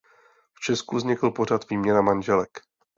V Česku vznikl pořad "Výměna manželek".